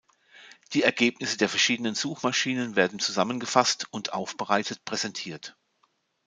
Die Ergebnisse der verschiedenen Suchmaschinen werden zusammengefasst und aufbereitet präsentiert.